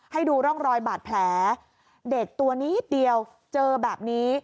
ให้ดูร่องรอยบาดแผลเด็กตัวนิดเดียวเจอแบบนี้